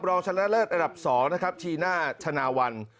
รองชนะเลิศอันดับ๒นะครับชีน่าชนะวัน